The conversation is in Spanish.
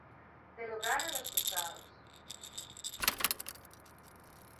Del Hogar a los Juzgados.